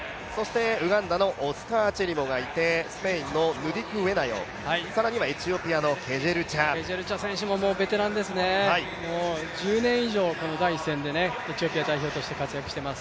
ウガンダのオスカー・チェリモがいてスペインのヌディクウェナヨ、ケジェルチャ選手ももうベテランですね、もう１０年以上、第一線でエチオピア代表として活躍しています。